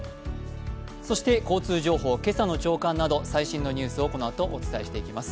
そして交通情報、今朝の朝刊など最新のニュースをこのあとお伝えしていきます。